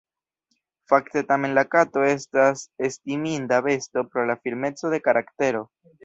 Fakte tamen la kato estas estiminda besto pro la firmeco de karaktero.